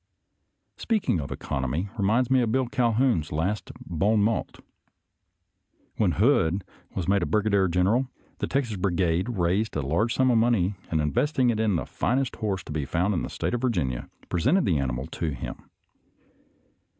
Speaking of economy reminds me of Bill Cal houn's last bon mot. When Hood was made a brigadier general, the Texas Brigade raised a large sum of money, and investing it in the finest horse to be found in the State of Virginia, pre sented the animal to him.